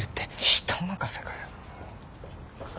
人任せかよ。